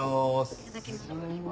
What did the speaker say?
いただきます。